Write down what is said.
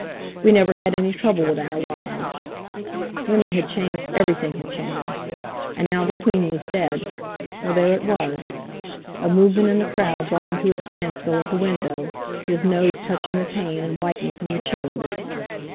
We never had any trouble with our wives." Women had changed everything had changed! And now the Queen was dead—well, there it was! A movement in the crowd brought him to a standstill at the window, his nose touching the pane and whitening from the chill of it.